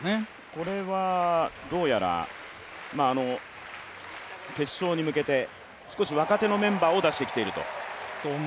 これはどうやら、決勝に向けて少し若手のメンバーを出してきていると？